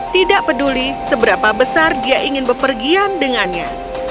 tidak peduli seberapa besar dia ingin bepergian dengannya